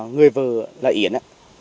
người vợ là yến